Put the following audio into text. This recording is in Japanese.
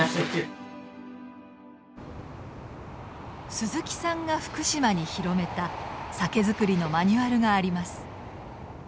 鈴木さんが福島に広めた酒造りのマニュアルがあります。